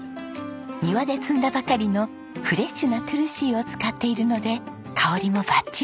庭で摘んだばかりのフレッシュなトゥルシーを使っているので香りもバッチリです。